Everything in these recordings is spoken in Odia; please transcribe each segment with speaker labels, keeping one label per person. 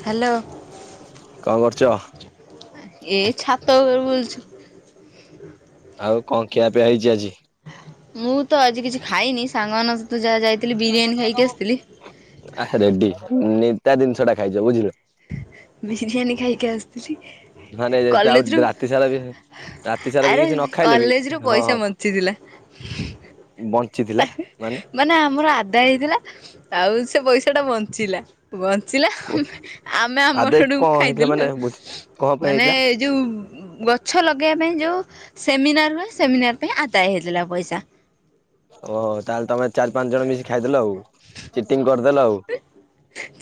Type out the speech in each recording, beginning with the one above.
Speaker 1: ହ୍ୟାଲୋ
Speaker 2: କଣ କରୁଛ?
Speaker 1: ଏ ଛାତ ଉପରେ ବୁଲୁଛୁ।
Speaker 2: ଆଉ କଣ ଖିଆପିଆ ହେଇଛି ଆଜି?
Speaker 1: ମୁଁ ତ ଆଜି କିଛି ଖାଇନି ସାଙ୍ଗମାନଙ୍କ ତୁ ଯାହା ଯାଇଥିଲ।
Speaker 2: ଆ ରେଡି ନିତା ଜିନିଷ ଟା ଖାଇଛ ବୁଝିଲ।
Speaker 1: ବିରିୟାନୀ ଖାଇକି ଆସିଥିଲି।
Speaker 2: ମାନେ ଯେ ଆଉ
Speaker 1: କଲେଜରୁ
Speaker 2: ରାତି ସାରା ବି ରାତି ସାରା ବି
Speaker 1: ଆରେ
Speaker 2: କିଛି ନ ଖାଇଲେ ବି
Speaker 1: କଲେଜରୁ
Speaker 2: ହଁ
Speaker 1: ପଇସା
Speaker 2: ହଁ।
Speaker 1: ବଞ୍ଚିଥିଲା।
Speaker 2: ବଞ୍ଚିଥିଲା ମାନେ?
Speaker 1: ମାନେ ଆମର ଆଦାୟ ହେଇଥିଲା। ଆଉ ସେ ପଇସା ଟା ବଞ୍ଚିଲା। ବଞ୍ଚିଲା
Speaker 2: କୁହ
Speaker 1: ଆମେ ଆମର
Speaker 2: ଆଦେଇ
Speaker 1: ଆଡୁ
Speaker 2: କଣ ହେଇଥିଲା
Speaker 1: ଖାଇଦେଲୁ।
Speaker 2: ମାନେ ବୁଝ କଣ ପାଇଁ ହେଇଥିଲା
Speaker 1: ମାନେ- ଯେଉଁ ଗଛ ଲଗେଇବା ପାଇଁ ଯେଉଁ ସେମିନାର ହୁଏ। ସେମିନାର ପାଇଁ ଆଦାୟ ହେଇଥିଲା ପଇସା।
Speaker 2: ଓହୋ ତାହେଲେ ତମେ ଚାରି ପାଞ୍ଚ ଜଣ ମିଶି ଖାଇଦେଲ। ଆଉ ଚିଟିଙ୍ଗ କରିଦେଲ ଆଉ।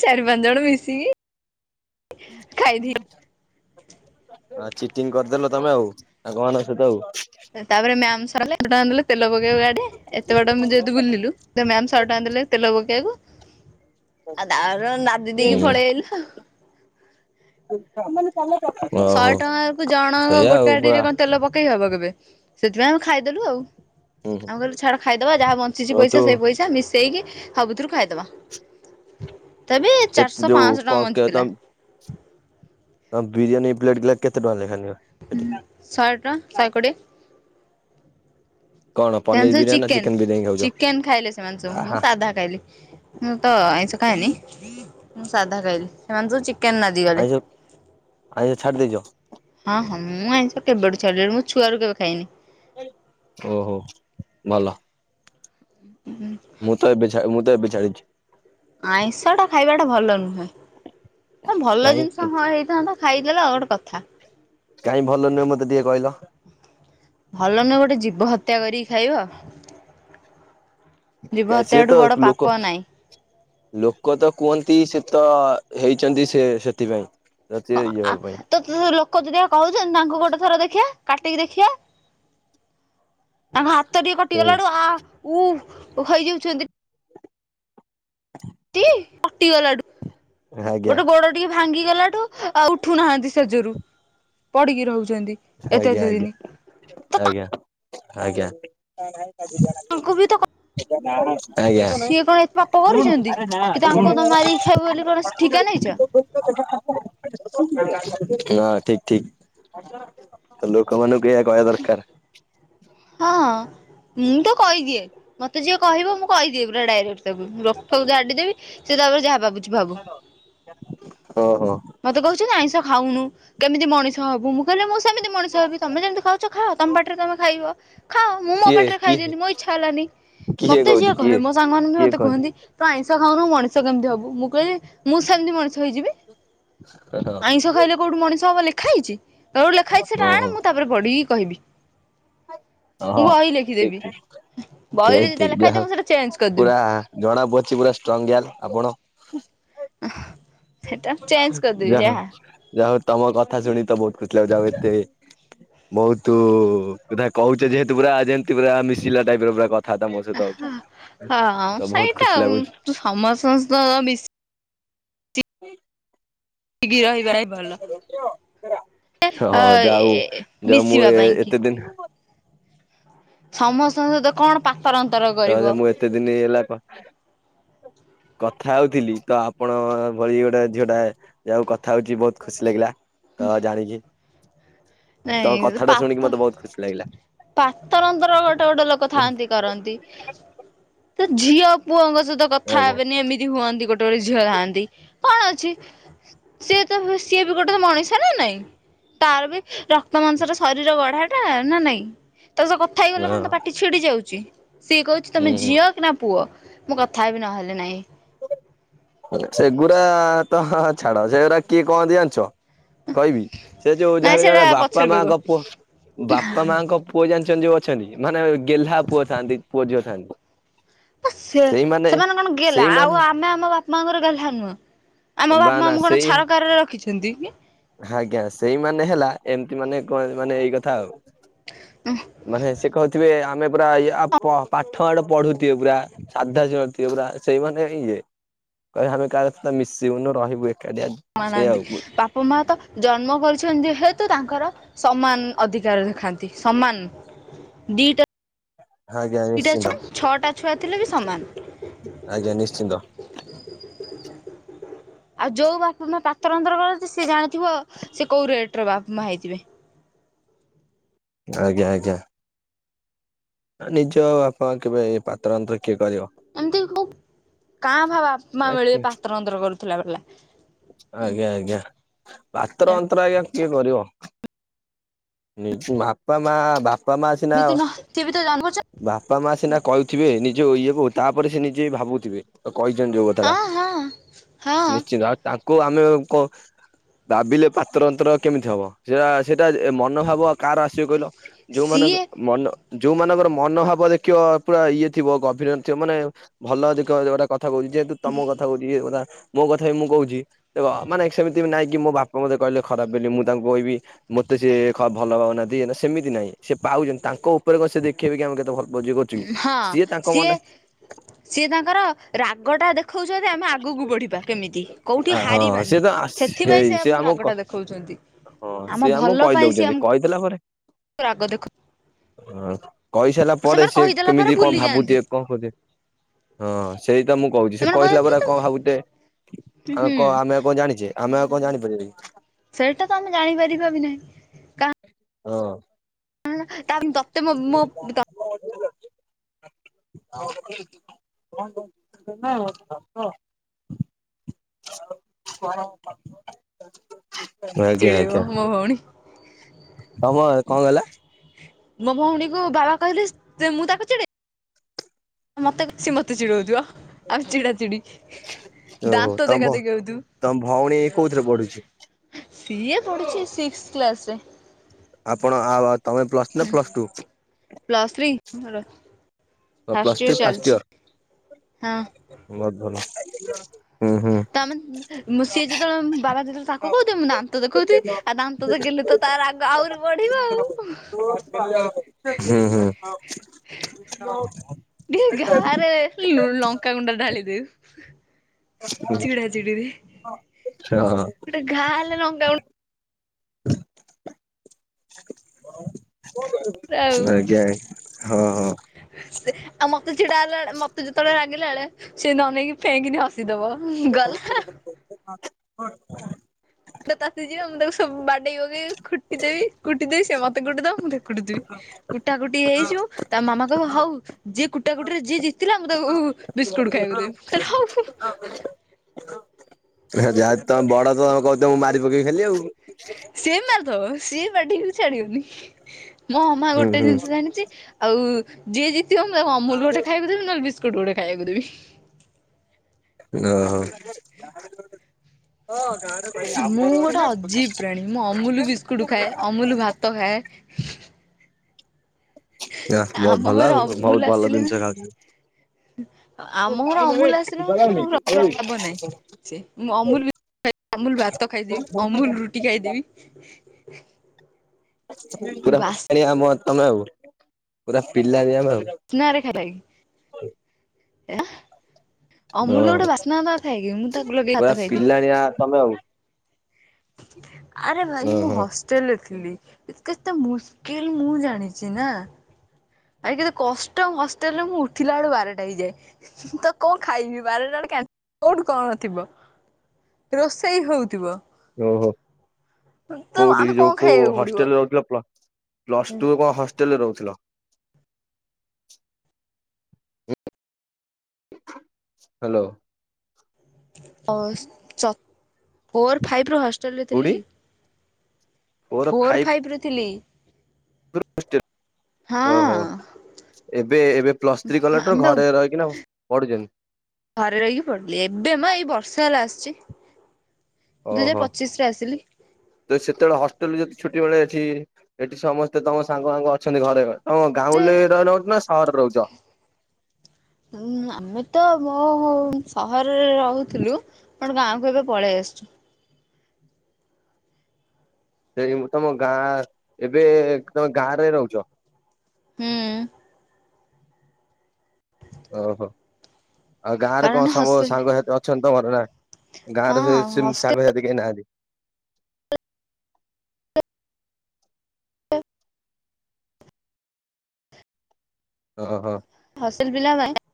Speaker 1: ଚାରି ପାଞ୍ଚ ଜଣ ମିଶିକି।
Speaker 2: ହଁ
Speaker 1: ଖାଇଦେଇ
Speaker 2: ହ [inaudible] ଆଉ ଚିଟିଙ୍ଗ କରିଦେଲ ତମେ ଆଉ ଆ କଣ ନା ସେ ତ ଆଉ।
Speaker 1: ତାପରେ ମ୍ୟାସ [unintelligible] ତେଲ ପକେଇବାକୁ ଗାଡେ ଏତେ ବାଟ ଯେହେତୁ ବୁଲିଲୁ, ମ୍ୟାମ ଶହେ ଟଙ୍କା ଦେଲେ ତେଲ ପକେଇବାକୁ। ଆଉ ତର ନାଦି ଦେଇକି ପଳେଇ ଅଇଲୁ।
Speaker 2: [inaudible] ଚା [inaudible]
Speaker 1: ଶହେ ଟଙ୍କା କୁ ଜଣ ଗୋଟେଡିରେ କଣ ତେଲ ପକେଇ ହବ କେବେ। ସେଥିପାଇଁ ଆମେ ଖାଇଦେଲୁ ଆଉ।
Speaker 2: ହୁଁ
Speaker 1: ଆମେ କହିଲୁ ଛାଡ ଖାଇଦବା ଯାହା ବଞ୍ଚିଛି
Speaker 2: ହଉ ତୁ
Speaker 1: ପଇସା ସେଇ ପଇସା ମିଶେଇକି ସବୁଥିରୁ ଖାଇଦବା। ତବେ
Speaker 2: କେତେ
Speaker 1: ଚାରିଶହ
Speaker 2: ଯୋଉ
Speaker 1: ପାଞ୍ଚଶହ ଟଙ୍କା ବଞ୍ଚିଥିଲା।
Speaker 2: ହଁ ବିରିୟାନ ପ୍ଲେଟପ୍ରୟ କେତେ ଟଙ୍କା ଲେଖାନେଲା।
Speaker 1: ହୁଁ ଶହେ ଟଙ୍କା ଶହେ କୋଡିଏ।
Speaker 2: କଣ
Speaker 1: ସେମାନେ
Speaker 2: ପନିର
Speaker 1: ସବୁ
Speaker 2: ବିରିୟାନୀ ନା
Speaker 1: ଚିକେନ
Speaker 2: ବିରିୟାନୀ ଖାଉଛ
Speaker 1: ଚିକେନ ଖାଇଲେ ସେମାନେ ସବୁ ମୁଁ
Speaker 2: ଆହା
Speaker 1: ସାଧା ଖାଇଲି। ମୁଁ ତ ଆଇସ ଖାଇନି। ମୁଁ ସାଧା ଖାଇଲି ସେମାନେ ସବୁ ଚିକେନ ନା
Speaker 2: ଆଇସ ଆଇସ ଛାଡ଼ି ଦେଇଛ?
Speaker 1: ହଁ ହଁ ମୁଁ ଆଇଷ କେବେଠୁ ଛାଡ଼ିଲେଣି ମୁଁ ଛୁଆରୁ କେବେ ଖାଇନି।
Speaker 2: ଓହୋ ଭଲ।
Speaker 1: ହ ହୁଁ [inaudible]
Speaker 2: ମୁଁ ତ ଏବେ ଛା ମୁଁ ତ ଏବେ ଛାଡିଚି।
Speaker 1: ଆଇଁଷ ଟା ଖାଇବାଟା ଭଲ ନୁହେଁ ତ ଭଲ
Speaker 2: କାହିଁ
Speaker 1: ଜିନ୍ଷ ହଁ ହେଇ ତ ଖାଇଦେଲେ ଆଉ ଗୋଟେ କଥା।
Speaker 2: କାଇଁ ଭଲ ନୁହେଁ ମତେ ଟିକେ କହିଲ।
Speaker 1: ଭଲ ନୁଅ ଗୋଟେ ଜୀବ ହତ୍ୟା କରିକି ଖାଇବ? ଯିବ
Speaker 2: ସିଏ
Speaker 1: ହତ୍ୟା ଠୁ
Speaker 2: ତ
Speaker 1: ବଡ
Speaker 2: ଲୋକ
Speaker 1: ପାପ ନାଇଁ।
Speaker 2: ଲୋକ ତ କୁହନ୍ତି ସେ ତ ହେଇଚନ୍ତି ସେ ସେଥିପାଇଁ
Speaker 1: ହଁ
Speaker 2: ଇଏ
Speaker 1: ଆ
Speaker 2: ହବା ପାଇଁ
Speaker 1: ତତେ ତ ଲୋକ ଯଦି କୋହୁଚନ୍ତି ତାଙ୍କୁ ଗୋଟେ ଥର ଦେଖଆ କାଟିକି ଦେଖିଆ। ତାଙ୍କ ହାତ ଟିକେ
Speaker 2: ସେଇ
Speaker 1: କଟିଗଲାଠୁ ଆ ଉ ହେଇଯାଉଛନ୍ତି।
Speaker 2: ହ
Speaker 1: ଟି କଟିଗଲାଠୁ
Speaker 2: ଆଜ୍ଞା
Speaker 1: ଗୋଟେ ଗୋଡ ଟିକେ ଭାଙ୍ଗିଗଲାଠୁ ଆଉ ଉଠୁନାହାନ୍ତି ସେଜରୁ ପଡିକି ରହୁଚନ୍ତି।
Speaker 2: ଆଜ୍ଞା ଆଜ୍ଞା ଆଜ୍ଞା ଆଜ୍ଞା। ତା ନାହିଁ ତା ଥିବା ଟା
Speaker 1: ତାଙ୍କୁ ବି ତ
Speaker 2: ଆଜି ବନ୍ଦ୍। ଆଜ୍ଞା।
Speaker 1: ସିଏ କଣ ଏତେ ପାପ କରୁଛନ୍ତି କି ତାଙ୍କୁ ତମେ ମାରିକି ଖାଇବ ବୋଲି କଣ ଠିକା ନେଇଛ?
Speaker 2: ହଁ ଠିକ୍ ଠିକ୍ ତ ଲୋକମାନାନଙ୍କୁ ଏଇଆ କହିବା ଦରକାର୍।
Speaker 1: ହଁ। ମୁଁ ତ କହିଦିଏ ମତେ ଯିଏ କହିବ ମୁଁ କହିଦିଏ ପୁରା ଡାଇରେକ୍ଟ ତାକୁ ରୋକ୍ ଠୋକ୍ ଝାଡିଦେବି। ସେ ତାପରେ ଯାହା ଭାବୁଚି ଭାବୁ।
Speaker 2: ଓ ହୋ।
Speaker 1: ମତେ କହୁଛନ୍ତି ଆଇଁଷ ଖାଉନୁ କେମିତି ମଣିଷ ହବୁ ମୁଁ କହିଲି ମୁଁ ସେମିତି ମଣିଷ ହେବି ତମେ ଯେମିତି ଖାଉଚ ଖାଅ ତମ ପାଟିରେ ତମେ ଖାଇବ ଖାଅ ମୁଁ ମୋ
Speaker 2: କିଏ
Speaker 1: ପାଟିରେ
Speaker 2: କିଏ
Speaker 1: ଖାଇଲିନି ମୋ ଇଚ୍ଛା ହେଲାନି
Speaker 2: କିଏ
Speaker 1: ମତେ
Speaker 2: କହୁଛି
Speaker 1: ଯିଏ କହେ
Speaker 2: କିଏ
Speaker 1: ମୋ ସାଙ୍ଗ ମାନେ ବି ମତେ କୁହନ୍ତି ତ ଆଇଁଷ ଖାଉନୁ ମଣିଷ କେମିତି ହୋବୁ ମୁଁ କହିଲି ମୁଁ ସେମିତି ମଣିଷ ହେଇଯିବି।
Speaker 2: ହହ।
Speaker 1: ଇିଁଷ ଖାଇଲେ କୋଉଠୁ ମଣିଷ ହବ ଲେଖା ହେଇଚି କୋଉଠି ଲେଖା ହେଇଚି ସେଇଟା ଆଣେ
Speaker 2: ଓହୋ
Speaker 1: ମୁଁ ତାପରେ ପଢିକି କହିବି। ମୁଁ
Speaker 2: ହଁ
Speaker 1: ବହି
Speaker 2: ଠିକ
Speaker 1: ଲେଖିଦେବି
Speaker 2: ଠିକ ଠିକ
Speaker 1: ବହିରେ ଯେଟା
Speaker 2: ଠିକ ଯାହା
Speaker 1: ଲେଖାହେଇଥିବ
Speaker 2: ହଉ
Speaker 1: ମୁଁ ସେଟା ଚେଞ୍ଜ୍ କରିଦେବି।
Speaker 2: ପୁରା ଜଣା ପଡୁଚି ପୁରା ଷ୍ଟ୍ରଙ୍ଗ୍ ଗ୍ୟାନ୍ ଆପଣ।
Speaker 1: ହେଟା ଚେଞ୍ଜ୍ କରିଦେବି ଯାହା।
Speaker 2: ଯା ହୋଉ ତମ କଥା ଶୁଣି ତ ବହୁତ୍ ଖୁସି ଲାଗୁଚି ଆଉ ଏତେ ବହୁତୁ କଥା କହୁଚ ଯେହେତୁ ପୁରା ଯେମ୍ତି ପୁରା ମିଶିଲା ଟାଇପ୍ ର ପୁରା କ ଥା ତ ମୋ ସହିତ ଅଛ
Speaker 1: ହଁ
Speaker 2: ତ ବୋହୁତ୍
Speaker 1: ସେଇଟା
Speaker 2: ଖୁସି
Speaker 1: ଆଉ
Speaker 2: ଲାଗୁଚି।
Speaker 1: ସମସ୍ତଙ୍କ ସହିତ ମିଶ୍ ରହିବା ହିଁ
Speaker 2: ରୋମିଅ
Speaker 1: ଭଲ।
Speaker 2: ରାବେ ଆଁ।
Speaker 1: ଅ
Speaker 2: ହଁ
Speaker 1: ଏ
Speaker 2: ଯାଉ ଯାଉ ମୁଁ
Speaker 1: ମିଶିବା
Speaker 2: ଏ
Speaker 1: ପାଇଁ କି।
Speaker 2: ଏତେ ଦିନ୍
Speaker 1: ସମସ୍ତଙ୍କ ସହିତ କଣ ତରନ୍ତର
Speaker 2: ତ ଯୋ ମୁଁ ଏତେ ଦିନି ହେଲା କ କଥା ହୋଉଥିଲି ତ ଆପଣ ଭଳି ଗୋଟେ ଝିଅ ଟା ଯା ହୋଉ କଥା ହୋଉଚି ବୋହୁତ୍ ଖୁସି ଲାଗିଲା। ତ ଜାଣିକି
Speaker 1: ନାଇଁ
Speaker 2: ତମ କଥା ଟା ଶୁଣିକି ମତେ ବହୁତ ଖୁସି ଲାଗିଲା।
Speaker 1: ପାତର ଅନ୍ତର ଗୋଟେ ଗୋଟେ ଲୋକ ଥାଆନ୍ତି କରନ୍ତି ତ ଝିଅ ପୁଅଙ୍କ ସହିତ କଥା
Speaker 2: ଆଜ୍ଞା
Speaker 1: ହେବେନି ଏମିତି ହୁଅନ୍ତି ଗୋଟେ ଗୋଟେ ଝିଅ ଥାଆନ୍ତି କଣ ଅଛି ସିଏତ ହୁଏ ସିଏ ବି ଗୋଟେ ତ ମଣିଷ ନା ନାଇଁ? ତାର ବି ରକ୍ତ ମାଂସର ଶରୀର ଗଢା ଟା ନା ନାଇଁ? ତା ସହ କଥା
Speaker 2: ହଁ
Speaker 1: ହେଇଗଲେ କଣ ତୋ ପାଟି ଛିଡି ଯାଉଚି ସିଏ କୋହୁଚି
Speaker 2: ହୁଁ
Speaker 1: ତମେ
Speaker 2: ହୁଁ
Speaker 1: ଝିଅ କି ନା ପୁଅ? ମୁଁ କଥା ହେବି ନହେଲେ ନାଇଁ।
Speaker 2: ସେଗୁଡା ତ ଛାଡ ସେଉରା କିଏ କୁହନ୍ତି ଜାଣିଚ? କହିବି ସେ ଯୋଉ ଯାହା
Speaker 1: ନାଇଁ
Speaker 2: ଗୁ
Speaker 1: ସେଇଟା
Speaker 2: ଯା ବାପା
Speaker 1: ପଛରେ କହିବ
Speaker 2: ମାଆଙ୍କ ପୁଅ ବାପା ମାଆଙ୍କ ପୁ ପୁଅ ଜାଣିଛନ୍ତି ଯୋଉ ଅଛନ୍ତି ମାନେ ଗେହ୍ଲା ପୁଅ ଥାଆନ୍ତି ପୁଅ ଝିଅ ଥାଆନ୍ତି।
Speaker 1: ସେ ସେମାନେ କଣ ଗେହ୍ଲା ଆଉ
Speaker 2: ସେଇମାନେ
Speaker 1: ଅପ୍ ଆମେ ଆମ ବାପା ମାଆଙ୍କର ଗେହ୍ଲା ନୁହଁ ଆମ
Speaker 2: ବା
Speaker 1: ବାପା
Speaker 2: ନା
Speaker 1: ଆମକୁ କଣ
Speaker 2: ସେଇ
Speaker 1: ଛାର କାର ରେ ରଖିଛନ୍ତି କି?
Speaker 2: ଆଜ୍ଞା ସେଇ ମାନେ ହେଲା ଏମତି ମାନେ କହନ୍ତି ମାନେ ଏଇ କଥା ଆଉ।
Speaker 1: ଉଁ।
Speaker 2: ମାନେ ସେ କହୁଥିବେ ଆମେ ପୁରା ଇ ଆ ଅ ପାଠ ଆଡ ପଢୁଥିବେ ପୁରା ସାଧା ସିଏ ନଥିବେ, ପୁରା ସେଇମାନେ ହିଁ ଇଏ। କହିବା ଆମେ କାହା ସହିତ ମିଶିବୁନୁ, ରହିବୁ ଏକାଟିଆ।
Speaker 1: ବାପା, ମାଁ ନାହାନ୍ତି। ବାପା ମାଁ ତ ଜନ୍ମ କରିଛନ୍ତି ଯେହେତୁ, ତାଙ୍କର ସମାନ ଅଧିକାର ଦେଖାନ୍ତି, ସମାନ। ଦିଟା
Speaker 2: ଆଜ୍ଞା
Speaker 1: ଦିଟା
Speaker 2: ନିଶ୍ଚିନ୍ତ
Speaker 1: ଛୁଆ ଛଅଟା ଛୁଆ ଥିଲେ ବି ସମାନ।
Speaker 2: ଆଜ୍ଞା ନିଶ୍ଚିନ୍ତ
Speaker 1: ଆଉ, ଯୋଉ ବାପା, ମା ପାତର ଅନ୍ତର କରନ୍ତି। ସେ ଜାଣିଥିବ, ସେ କୋଉ ରେଟ୍ ର ବାପା ମା ହେଇଥିବେ।
Speaker 2: ଆଜ୍ଞା ଆଜ୍ଞା। ନିଜ ବାପା କେବେ ପାତର ଅନ୍ତର କିଏ କରିବ?
Speaker 1: ଏମିତି କଉ କାଁ, ଭାଁ ବାପ ମା ମିଳିବେ,
Speaker 2: ଆଜ୍ଞା
Speaker 1: ପାତର ଅନ୍ତର କରୁଥିଲା ବାଲା।
Speaker 2: ଆଜ୍ଞା। ପାତର ଅନ୍ତର ଆଜ୍ଞା କିଏ କରିବ? ନିଜ୍ ବାପା ମାଁ-ଆ ବାପ୍
Speaker 1: ବି ତ ନଥି [unintelligible]
Speaker 2: ବାପା ମାଆ ସିନା କହିଥିବେ ନିଯୋ ଇଏକୁ ତା ପରେ ନିଯେଭାବୁଥିବେ କହିଛନ୍ତି ଯୋଉ ହେଳା
Speaker 1: ହଁ ହଁ ହଁ
Speaker 2: ନିଶ୍ଚିନ୍ତ ଆଉ ତାଙ୍କୁ ଆମେ କ ଭାବିଲେ ପାତ୍ର ଅନ୍ତ୍ର କେମିତି ହବ। ସେରା ସେଇଟା ମନୋଭାବ କାହାର ଆସିବେ କହିଲ ଯୋଉମାନଙ୍କ
Speaker 1: ସିଏ
Speaker 2: ମନ ଯୋଉମାନଙ୍କର ମନୋଭାବ ଦେଖିବ ପୁରା ଇଏ ଥିବ ଗଭୀରଥିବ ମାନେ ଭଲ ଦେଖ ଗୋଟେ କଥା କହୁଛି ଯେହେତୁ ତମ କଥା କହୁଛି ଇଏ କଥା ମୋ କଥା ବି ମୁଁ କହୁଛି। ଦେଖ ମାନେ ସେମିତି ବି ନାଇଁ କି ମୋ ବାପା ମତେ କହିଲେ ଖରାପ ବୋଲିି ମୁଁ ତାଙ୍କୁ କହିବି ମତେ ସେ ଭଲ ଭାବୁନାହାନ୍ତି ଏରା ସେମିତି ନାହିଁ ସେ ପାଉଛନ୍ତି ତାଙ୍କ ଉପରେ କଣ ସେ ଦେଖେଇବେ କି ଆମେ କେତେ ଭଲ ଭୋଜି କରୁଛିକି ସିଏ ତାଙ୍କ ମନେ
Speaker 1: ସିଏ ତାଙ୍କର ରାଗଟା ଦେଖଉଛନ୍ତି, ଆମେ ଆଗକୁ ବଢ଼ିବା କେମିତି? କଉଠି
Speaker 2: ହଁ ସିଏ
Speaker 1: ହାରିବାନି।
Speaker 2: ତ
Speaker 1: ସେଥିପାଇଁ
Speaker 2: ସେଇ
Speaker 1: ସେ
Speaker 2: ସିଏ
Speaker 1: ଆମକୁ ରାଗଟା ଦେଖଉଛନ୍ତି। ଆମ ଭଲ ପାଇଁ ସିଏ ଆମ
Speaker 2: ହେଲା ପରେ
Speaker 1: ରାଗ ଦେଖୁ।
Speaker 2: କହିସାଇଲା ପରେ, ସେ କେମିତି କଁ ଭାବୁଥୁବେ, କଁ କହୁଥିବେ? ହଁ, ସେଇତ ମୁଁ କହୁଛି। ସେ
Speaker 1: ସେମାନେ
Speaker 2: କହିଥିଲା
Speaker 1: କହନ୍ତି
Speaker 2: ପରା
Speaker 1: ତ
Speaker 2: କଣ ଭାବୁତେ? ଆମେ,
Speaker 1: ହୁଁ
Speaker 2: ଆମେ ଆଉ କଣ ଜାଣିଚେ? ଆମେ ଆଉ କଣ ଜାଣିପାରିବା କି?
Speaker 1: ସେଇଟା ତ ଆମେ ଜାଣିପାରିବା ଭି ନାହିଁ। କା
Speaker 2: ହଁ।
Speaker 1: ତା, ହେଲା ତତେ ମୋ-ମୋ ତ-ତ୍
Speaker 2: [inaudible] [inaudible] [unintelligible]
Speaker 1: ଚିଡ଼େଇବ ମୋ ଭଉଣୀ।
Speaker 2: ହଁମ କଣ କହିଲା?
Speaker 1: ମୋ ଭଉଣୀ କୁ ବାବା କହିଲେ ମୁଁ ତାକୁ ଚିଡେ। ମତେ ସିଏ ମତେ ଚିଡଉଥିବ ଆମେ ଚିଡା ଚିଡି।
Speaker 2: ଓହୋ
Speaker 1: ଦାନ୍ତ ଦେଖା
Speaker 2: ତମ
Speaker 1: ଦେଖି ହଉଥିବୁ।
Speaker 2: ତମ ଭଉଣୀ କୋଉଥିରେ ପଢୁଛି?
Speaker 1: ସିଏ ପଢୁଛି ସିକ୍ସ କ୍ଲାସରେ।
Speaker 2: ଆପଣ ଆଉ ତମେ ପ୍ଲସଥ୍ରୀ ନା ପ୍ଲସଟୁ?
Speaker 1: ପ୍ଲସଥ୍ରୀ ମୋର। ଫାଷ୍ଟ ଇୟର
Speaker 2: ପ୍ଲସଥ୍ରୀ ଫାଷ୍ଟ
Speaker 1: ଚାଲିଛି ହଁ।
Speaker 2: ଇଅର ବହୁତ ଭଲ। ହୁଁ ହୁଁ।
Speaker 1: ତମେ ସିଏ ଯେତେବେଳେ ବାବା ଯେତେବେଳେ ତାକୁ କହୁଥିବେ ମୁଁ ଦାନ୍ତ ଦେଖଉଥିବି ଆଉ ଦାନ୍ତ ଦାନ୍ତ ଦେଖେଇଲେ ତ ତା ରାଗ ଆହୁରି ବଢିବ ଆଉ।
Speaker 2: ହୁଁ ହୁଁ।
Speaker 1: ଟିକେ ଘାରେ ଲୁ ଲଙ୍କାାଗୁଣ୍ଡ ଢାଳିଦିଏ।
Speaker 2: ହୁଁ।
Speaker 1: ଚିଡ଼ା ଚିଡ଼ି ରେ।
Speaker 2: ଆଛା।
Speaker 1: ଗୋଟେ ଘା ହେଲେ ଲଙ୍କାଗୁଣ୍ଡ
Speaker 2: [unintelligible]
Speaker 1: ଆଉ।
Speaker 2: ଆଜ୍ଞା ହଁ
Speaker 1: ସେ ଆଉ ମତେ ଛିଡା ହେଲାବେଳେ ମତେ ଯେତେବେଳେ ରାଗିଲା ବେଳେ ସେ ଅନେଇକି ଫେଇଁକିନି ହସିଦବ। ହିଁ ଗଲା ଆଉ।
Speaker 2: ହଁ।
Speaker 1: ତ ତାତି ଯିବ ମୁଁ ତାକୁ ସବୁ ବାଡେଇ ପକେଇବି କୁଟିଦେବି କୁଟିଦେବି ସେ ମତେ ମତେ କୁଟି ଦେଦ ମୁଁ ତାକୁ କୁଟି ଦେବି କୁଟା କୁଟି ହେଇଯିବୁ ତା ମାମା କହିବ ହଉ ଯିଏ କୁଟା କୁଟିରେ ଯିଏ ଜିତିଲା ମୁଁ ତାକୁ ବିସ୍କୁଟ ଖାଇବାକୁ ଦେବେ ମୁଁ କହିବି ହୋଉ।
Speaker 2: ଯାହା ତ ବଡ ତମେ କହୁଥିବା ମୁଁ ମାରି ପକେଇବି ଖାଲି ଆଉ।
Speaker 1: ସିଏ ବି ମାରିଦବ ସିଏ ପାଟି ଛାଡିବନି ମୋ ମା
Speaker 2: ହୁଁ
Speaker 1: ଗୋଟେ
Speaker 2: ହୁଁ
Speaker 1: ଜିନିଷ ଜାଣିଛି ଆଉ ଯିଏ ଜିତିବ ମୁଁ ତାକୁ ଅମୁଲ ଗୋଟେ ଖାଇବାକୁ ଦେବି ନହେଲେ ବିସ୍କୁଟ ଗୋଟେ ଖାଇବାକୁ ଦେବି।
Speaker 2: ନ ହୋଉ।
Speaker 1: ମୁଁ ଗୋଟେ ଅଜୀବ ପ୍ରାଣୀ ମୁଁ ଅମୁଲ ବିସ୍କୁଟ ଖାଏ ଅମୁଲ ଭାତ ଖାଏ।
Speaker 2: ବହୁତ
Speaker 1: ଆମ
Speaker 2: ଭଲ
Speaker 1: ଘରେ
Speaker 2: ଆଉ
Speaker 1: ଅମୁଲ
Speaker 2: ବହୁତ ଭଲ
Speaker 1: ଆସିଲେ
Speaker 2: ଜିନିଷ
Speaker 1: ମାନେ
Speaker 2: ଖାଉଛନ୍ତି।
Speaker 1: ଆମ ଘର ଅମୁଲ ଆସିଲା ମନେ [inaudible] ନାହିଁ ସେ ଅମୁଲ ଅମୁଲୁ ଭାତ ଖାଇଦେବି ଅମୁଲୁ ରୁଟି ଖାଇଦେବି।
Speaker 2: ପୁରା ପିଲାଳିଆ ଆମ ଗାଁରେ ତମେ ଆଉ ପୁରା ପିଲାଳିଆମି ଆଉ।
Speaker 1: [inaudible] ଅମୁଲର
Speaker 2: ହଁ
Speaker 1: ଗୋଟେ ବାସ୍ନା ନଥାଏ କିି ମୁଁ ତାକୁ ଲଗେଇିକି
Speaker 2: ପୁରା
Speaker 1: ଭାତ ଖାଇଦିଏ।
Speaker 2: ପିଲାଣିଆ ତମେ ଆଉ
Speaker 1: ଆରେ ଭାଇ
Speaker 2: ହଁ
Speaker 1: ମୁଁ
Speaker 2: ହଁ
Speaker 1: ହସ ଚଲିଥିଲି ଏ କେତେ ମୁସ୍କିଲ ମୁଁ ଜାଣିଛି ନା। ଭାଇ କେତେ କଷ୍ଟ ହଷ୍ଟେଲ ରେ ମୁଁ ଉଠିଲା ବେଳୁ ବାରଟା ହେଇଯାଏ। ତ କଣ ଖାଇବି ବାରଟା ବେଳେ କ୍ୟା କୋଉଠୁ କଣ ଥିବ? ରୋଷେଇ ହଉଥିବ।
Speaker 2: ଓହୋ
Speaker 1: ତ
Speaker 2: କେଉଠି
Speaker 1: ଆମେ
Speaker 2: ଯୋଉ
Speaker 1: କଣ
Speaker 2: କେଉ
Speaker 1: ଖାଇବାକୁ ପଡିବ?
Speaker 2: ହଷ୍ଟେଲରେ ରହୁଥିଲ ପ୍ଲସ ପ୍ଲସଟୁ କଣ ହଷ୍ଟେଲରେ ରହୁଥିଲ? ହ୍ୟାଲୋ।
Speaker 1: ଅସ- ସ ଫୋର୍ ଫାଇପରୁ ହଷ୍ଟେଲରେ
Speaker 2: କୋଉଠି
Speaker 1: ଥିଲି
Speaker 2: ମୋର
Speaker 1: ଫୋର୍ ଫାଇଭ ରୁ ଥିଲି।
Speaker 2: [inaudible] ଓ ହୋ।
Speaker 1: ହଁ
Speaker 2: ଏବେ ଏବେ ପ୍ଲସ ଥ୍ରୀ କଲାଠୁ
Speaker 1: ଆମେ ବା
Speaker 2: ଘରେ ରହିକିନା ପଢୁଛନ୍ତି।
Speaker 1: ଘରେ ରହିକି ପଡିଲି ଏବେ ମଏଇ ବର୍ଷା ହେଲା ଆସିଛି। ଦୁଇ
Speaker 2: ଓହୋ
Speaker 1: ହଜାର ପଚିଶ ରେ ଆସିଲି।
Speaker 2: ତ ସେତେବେଳେ ହଷ୍ଟେଲ ଯଦି ଛୁଟି ମିଳେ ଏଠି ଏଠି ସମସ୍ତେ ତମ ସାଙ୍ଗ ମାଙ୍ଗ ଅଛନ୍ତି ଘରେ ହଁ
Speaker 1: ଯେ
Speaker 2: ଗାଉଁଲିରେ ରହ ନହୁଉଛ ନା ସହରରେ ରହୁଛ?
Speaker 1: ଆମେ ତ ମୋ ସହରରେ ରହୁଥିଲୁ ଗାଁକୁ ଏବେ ପଳେଇ ଆସିଛୁ।
Speaker 2: ସେଇ ତମ ଗାଁ ଏବେ ତମେ ଗାଁ ରେ ରହୁଛ?
Speaker 1: ହୁଁ।
Speaker 2: ଓହୋ ଆଉ ଗାଁରେ
Speaker 1: କାରଣ
Speaker 2: କଣ ସବୁ
Speaker 1: ହଷ୍ଟେଲ
Speaker 2: ସାଙ୍ଗ ସାଥି ଅଛନ୍ତି ତ ମର ନା? ଗାଁ
Speaker 1: ହଁ
Speaker 2: ର ସେ ସେ
Speaker 1: ହଷ୍ଟେଲ
Speaker 2: ସାଙ୍ଗସଥି କେହି ନାହାନ୍ତି? ଓ ହଁ।
Speaker 1: [inaudible]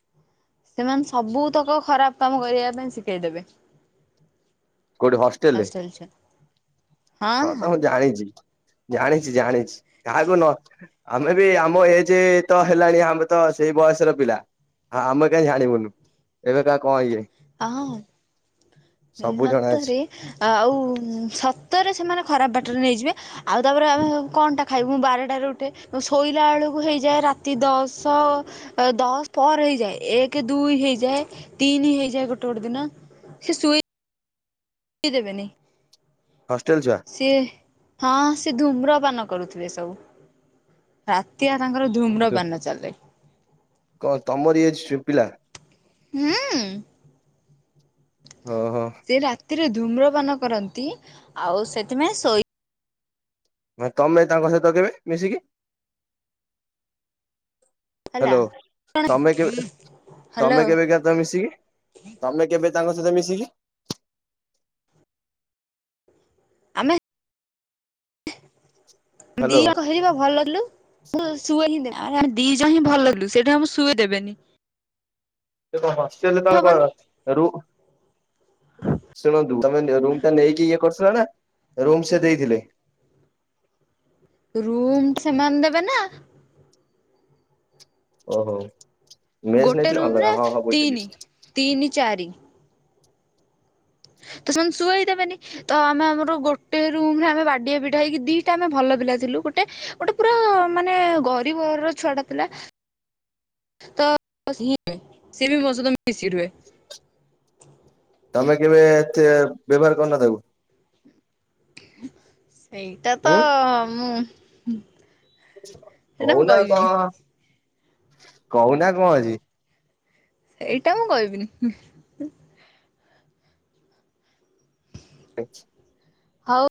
Speaker 1: ସେମାନେ ସବୁତକ ଖରାପ କାମ କରିବା ପାଇଁ ଶିଖେଇଦେବେ।
Speaker 2: କଉଠି ହଷ୍ଟେଲରେ
Speaker 1: ହଷ୍ଟେଲ ଛୁଆ
Speaker 2: ହଁ ତ ମୁଁ ଜାଣିଛି। ଜାଣିଛି ଜାଣିଛି କାହାକୁ ନ ଆମେ ବି ଆମ ଏଜ ତ ହେଲାଣି ଆମେ ତ ସେଇ ବୟସର ପିଲା। ହଁ ଆମେ କାଇହିଁ ଜାଣିବୁନୁ ଏବେ କାହା କଣ ଇଏ
Speaker 1: ହଁ [unintelligible]
Speaker 2: ସବୁ
Speaker 1: ଆଉ
Speaker 2: ଜଣା ଅଛି
Speaker 1: ସତରେ ସେମାନେ ଖରାପ ବାଟରେ ନେଇଯିବେ ଆଉ ତାପରେ ଆମେ କଣଟା ଖାଇବୁ ବାରଟାରେ ଉଠେ ମୁ ଶୋଇଲା ବେଳକୁ ହେଇଯାଏ ରାତି ଦଶ ଦଶ ପରେ ହେଇଯାଏ ଏକ ଦୁଇ ହେଇଯାଏ ତିନି ହେଇଯାଏ। ଗୋଟେ ଗୋଟେ ଦିନ ସେ ଶୋଇ ଦେବେନି।
Speaker 2: ହଷ୍ଟେଲ ଛୁଆ?
Speaker 1: ସିଏ ହଁ ସି ଧୂମ୍ରପାନ କରୁଥିବେ ସବୁ ରାତିଆ ତାଙ୍କର ଧୁମ୍ର ପାନ ଚାଲେ।
Speaker 2: କଣ ତମରି ଏଜ ପି- ପିଲା?
Speaker 1: ହୁଁମ।
Speaker 2: ଓ ହୋ।
Speaker 1: ସେ ରାତିରେ ଧୁମ୍ରପାନ କରନ୍ତି ଆଉ ସେଥିପାଇଁ ଶୋଇ
Speaker 2: ତମେ ତାଙ୍କ ସହିତ କେବେ ମିଶିକି?
Speaker 1: ହେଲା
Speaker 2: ହ୍ୟାଲୋ ତମେ କେବେ
Speaker 1: ହ୍ୟାଲୋ
Speaker 2: ତମେ କେବେ କା ମିଶିକି ତମେ କେବେ ତାଙ୍କ ସହିତ ମିଶିକି
Speaker 1: ଆମେ ଦି
Speaker 2: ହ୍ୟାଲୋ
Speaker 1: କ [inaudible] [unintelligible] ଦି ଜଣ ହିଁ ଭଲ ଥିଲୁ ସେଇଠି ଆମକୁ ସୁଇଦେବେନି।
Speaker 2: ସେ କଣ ହଷ୍ଟେଲରେ ତମେ କଣ
Speaker 1: ହବନି।
Speaker 2: ରୁ ଶୁଣନ୍ତୁ ତମେ ରୁମ ଟା ନେଇକି ଇଏ କରୁଥିଲ ନା ରୁମ ସେ ଦେଇଥିଲେ?
Speaker 1: ରୁମ ସେମାନେ ଦେବେ ନା
Speaker 2: ଓହୋ ମେସ
Speaker 1: ଗୋଟେ
Speaker 2: ନେଇଥିଲେ
Speaker 1: ରୁମ୍ ରେ
Speaker 2: ଅଲଗା ହଁ ହଁ
Speaker 1: ତିନି।
Speaker 2: ବୁଝିଲି।
Speaker 1: ତିନି ଚାରି ତ ସେମାନେ ସୁଆଇ ଦେବେନି ତ ଆମେ ଆମର ଗୋଟେ ରୁମ ରେ ଆମେ ବାଡିଆ ପିଠା ହେଇକି ଦିଟା ଆମେ ଭଲ ପିଲା ଥିଲୁ ଗୋଟେ ଗୋଟେ ପୁରା ମାନେ ଗରିବର ଛୁଆଟା ଥିଲା
Speaker 2: [unintelligible]
Speaker 1: ତ [inaudible] ସିଏବି ମୋ ସହିତ ମିଶି ରୁହେ।
Speaker 2: ତମେ କେବେ ଏତେ ବ୍ୟବହାର କରିନ ତାକୁ?
Speaker 1: ସେଇଟା ତ
Speaker 2: ହୁଁ
Speaker 1: ମୁଁ ସେଇଟା ମୁଁ
Speaker 2: କହୁନା
Speaker 1: କହିବିନି
Speaker 2: କଣ କହୁନା କଣ ଅଛି?
Speaker 1: ଏଇଟା ମୁଁ କହିବିନି।
Speaker 2: [unintelligible]
Speaker 1: ହଉ